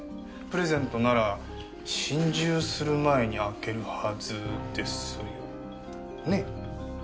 プレゼントなら心中する前に開けるはずですよね？